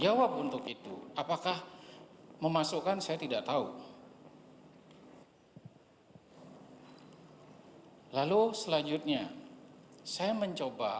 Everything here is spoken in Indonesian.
jawab untuk itu apakah memasukkan saya tidak tahu hai hai hai hai lalu selanjutnya saya mencoba